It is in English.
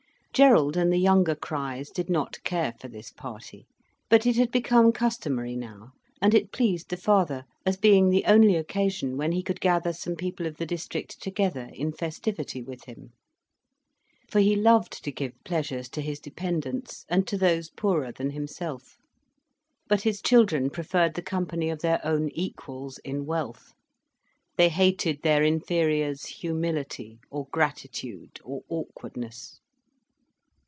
Gerald and the younger Criches did not care for this party, but it had become customary now, and it pleased the father, as being the only occasion when he could gather some people of the district together in festivity with him. For he loved to give pleasures to his dependents and to those poorer than himself. But his children preferred the company of their own equals in wealth. They hated their inferiors' humility or gratitude or awkwardness.